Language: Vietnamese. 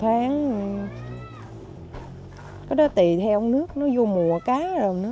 một tháng có đó tùy theo nước nó vô mùa cá rồi nữa